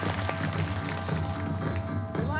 うまい！